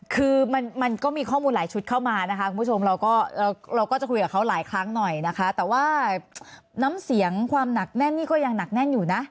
คือมันก็มีข้อมูลหลายชุดเข้ามานะคะคุณผู้ชมเราก็เราก็จะคุยกับเขาหลายครั้งหน่อยนะคะแต่ว่าน้ำเสียงความหนักแน่นนี่ก็ยังหนักแน่นอยู่นะ